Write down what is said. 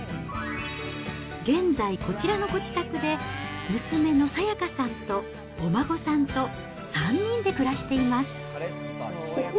現在、こちらのご自宅で、娘の冴香さんとお孫さんと３人で暮らしています。